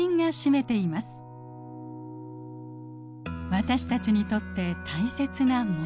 私たちにとって大切な森。